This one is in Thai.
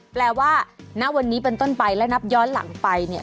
แปลว่าณวันนี้เป็นต้นไปและนับย้อนหลังไปเนี่ย